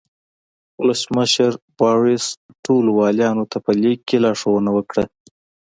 ولسمشر باریوس ټولو والیانو ته په لیک کې لارښوونه وکړه.